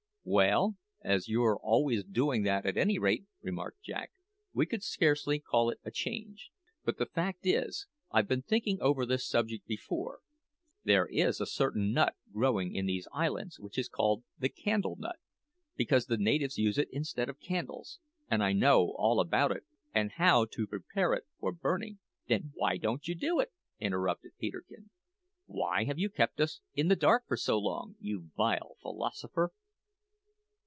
"Well, as you're always doing that at any rate," remarked Jack, "we could scarcely call it a change. But the fact is, I've been thinking over this subject before. There is a certain nut growing in these islands which is called the candle nut, because the natives use it instead of candles; and I know all about it, and how to prepare it for burning " "Then why don't you do it?" interrupted Peterkin. "Why have you kept us in the dark so long, you vile philosopher?"